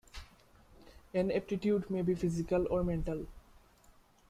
An aptitude may be physical or mental.